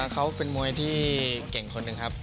เขาเป็นมวยที่เก่งคนหนึ่งครับ